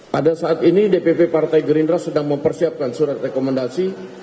pada saat ini dpp partai gerindra sedang mempersiapkan surat rekomendasi